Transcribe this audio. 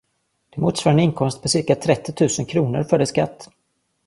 Det motsvarar en inkomst på cirka trettiotusen kronor före skatt.